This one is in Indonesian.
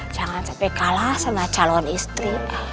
jangan sampai kalah sama calon istri